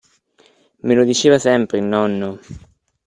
Me lo diceva sempre il nonno.